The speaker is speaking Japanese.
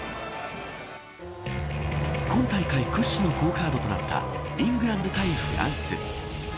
今大会屈指の好カードとなったイングランド対フランス。